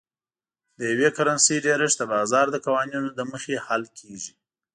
د یوې کرنسۍ ډېرښت د بازار د قوانینو له مخې حل کیږي.